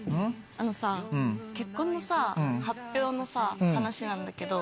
あのさ結婚の発表の話なんだけど。